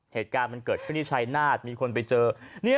เหตุการณ์มันเกิดเพื่อนิชัยนาธิ์มีคนไปเจอ